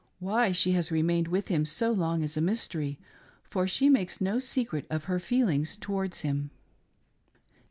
Why she has remained with him so long is a mystery, for she makes no secret of her feelings towards him.